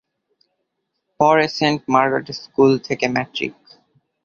পরে Saint Margaret school থেকে matric.